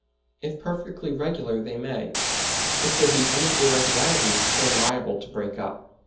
If perfectly regular they may; if there be any irregularity they are liable to break up.